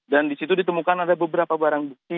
dan disitu ditemukan ada beberapa barang bukti